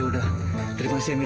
ya udah terima kasih ya mida